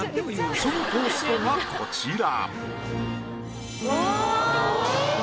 そのトーストがこちら。